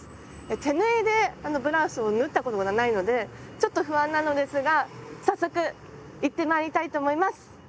手縫いでブラウスを縫ったことがないのでちょっと不安なのですが早速行ってまいりたいと思います！